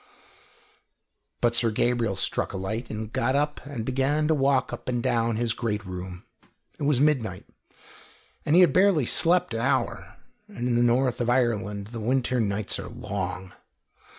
But Sir Gabriel struck a light and got up and began to walk up and down his great room. It was midnight, and he had barely slept an hour, and in the north of Ireland the winter nights are long.